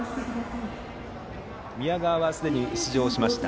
宮川はすでに出場しました。